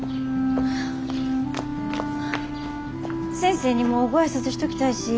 先生にもご挨拶しときたいし。